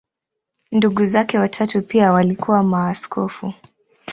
Ndugu zake watatu pia walikuwa maaskofu.